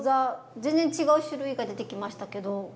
全然違う種類が出てきましたけど。